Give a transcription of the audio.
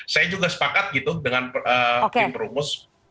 saya juga sepakat gitu dengan tim perumus